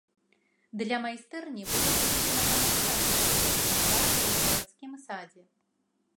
Для майстэрні было выдзелена памяшканне пры летнім тэатры ў гарадскім садзе.